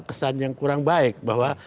kesan yang kurang baik bahwa